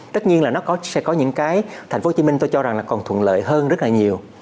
tất nhiên là nó sẽ có những cái thành phố hồ chí minh tôi cho rằng là còn thuận lợi hơn rất là nhiều